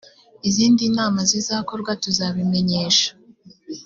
izindi nama zizakorwa tuzazibamenyesha